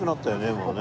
もうね。